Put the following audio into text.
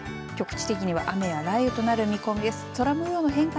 局地的には雨や雷雨となる見込みです。